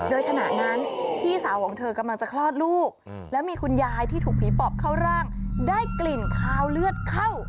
โดยขณะนั้นพี่สาวของเธอกำลังจะคลอดลูกแล้วมีคุณยายที่ถูกผีปอบเข้าร่างได้กลิ่นคาวเลือดเข้า